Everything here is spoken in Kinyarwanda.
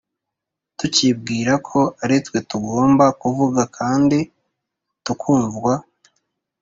tukibwira ko ari twe tugomba kuvuga kandi tukumvwa.